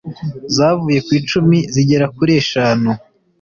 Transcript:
zavuye ku icumi zigera kuri eshanu